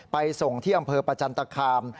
ไปส่งที่อำเภอประจันตคาม